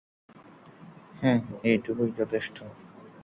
হ্যাঁ, এটুকুই যথেষ্ট।